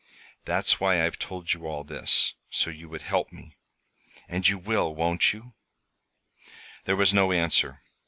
"That's why I've told you all this so you would help me. And you will, won't you?" There was no answer.